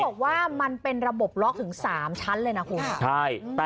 บอกว่ามันเป็นระบบล็อกถึง๓ชั้นเลยนะคุณ